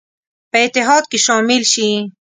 په اتحاد کې شامل شي.